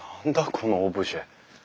このオブジェ。